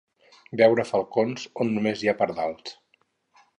Veure falcons on només hi ha pardals.